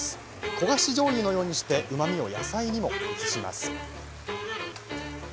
焦がしじょうゆのようにしてうまみを野菜にも移します。